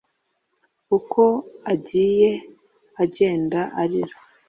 Uko agiye agenda arira